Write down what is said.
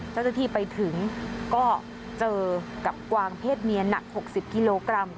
เจ้าหน้าที่ไปถึงก็เจอกับกวางเพศเมียหนัก๖๐กิโลกรัม